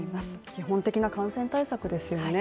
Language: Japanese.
基本的な感染対策ですよね。